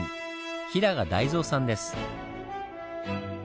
平賀大蔵さんです。